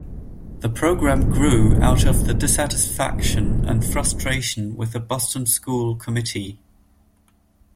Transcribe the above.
The program grew out of the dissatisfaction and frustration with the Boston School Committee.